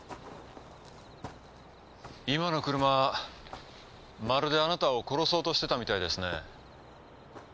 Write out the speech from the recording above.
今の車まるであなたを殺そうとしてたみたいですね。